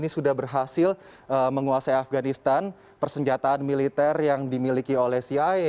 sudah berhasil menguasai afghanistan persenjataan militer yang dimiliki oleh cia